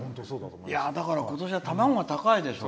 だから今年は卵が高いでしょ。